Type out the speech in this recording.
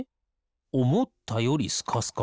おもったよりスカスカ。